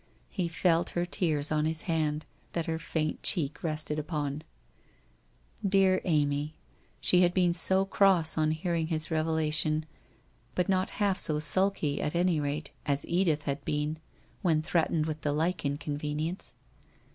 He felt her tears on his hand that her faint cheek rested upon. ... Poor Amy, she had been so cross on hearing his revela tion. But not half so sulky, at any rate, as Edith had been when threatened with the like inconvenience.